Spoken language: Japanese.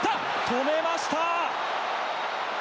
止めました。